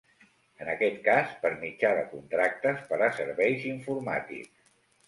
En aquest cas, per mitjà de contractes per a serveis informàtics.